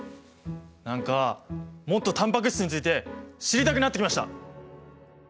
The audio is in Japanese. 何かもっとタンパク質について知りたくなってきました！